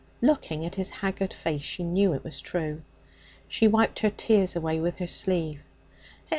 Looking at his haggard face, she knew it was true. She wiped her tears away with her sleeve.